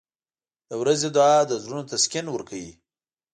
• د ورځې دعا د زړونو تسکین ورکوي.